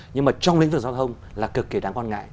nhưng mà trong lĩnh vực giao thông là cực kỳ đáng quan ngại